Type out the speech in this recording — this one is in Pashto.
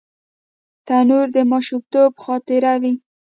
تنور د ماشومتوب خاطره وي